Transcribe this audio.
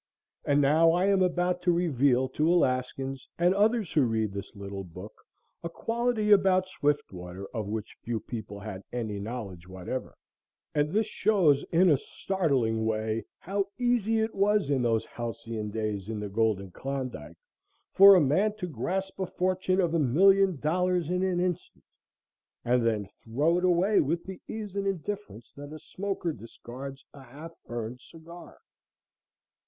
And now I am about to reveal to Alaskans and others who read this little book a quality about Swiftwater of which few people had any knowledge whatever, and this shows in a startling way how easy it was in those halcyon days in the Golden Klondike for a man to grasp a fortune of a million dollars in an instant and then throw it away with the ease and indifference that a smoker discards a half burned cigar.